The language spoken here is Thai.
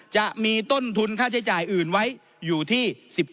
จะมีต้นทุนค่าใช้จ่ายอื่นไว้อยู่ที่๑๙